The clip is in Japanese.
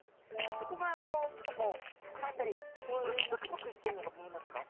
そこがちょっとこう膨らんだりパクパクしてるのが見えますか？